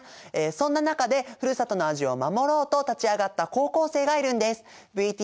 そんな中でふるさとの味を守ろうと立ち上がった高校生がいるんです。